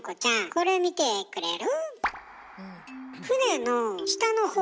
これ見てくれる？